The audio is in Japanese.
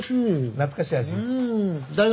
懐かしい。